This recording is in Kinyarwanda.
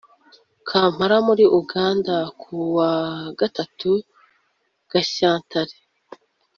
Kampala muri Uganda ku wa gatatu Gashyantare